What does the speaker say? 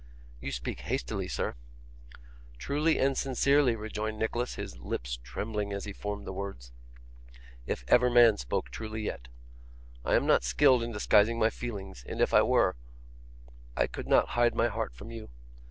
'You speak hastily, sir.' 'Truly and sincerely,' rejoined Nicholas, his lips trembling as he formed the words, 'if ever man spoke truly yet. I am not skilled in disguising my feelings, and if I were, I could not hide my heart from you.